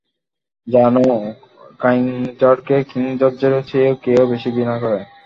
জানো কাইযারকে কিং জর্জের চেয়েও কে বেশি ঘৃণা করে?